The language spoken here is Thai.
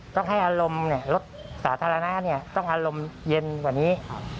ต้องให้อารมณ์รถสาธารณะต้องอารมณ์เย็นกว่านี้